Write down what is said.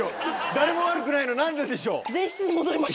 誰も悪くないのに何ででしょう。